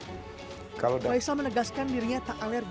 faisal menegaskan dirinya tak alergi pada kemenangan